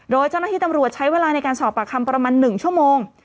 โดยเจ้าหน้าที่ตำรวจใช้เวลาในการสอบปากคำประมาณ๑ชั่วโมง